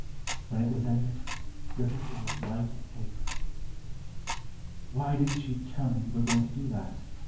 When it was ended, Griffith was as white as paper. "Why didn't you tell me you were going to do that?"